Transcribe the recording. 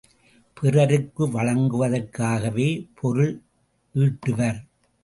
பிறருக்கு வழங்குவதற்காகவே பொருள் ஈட்டுவர்.